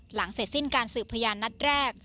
หลังเสร็จสิ้นการสืบพยานนัดแรก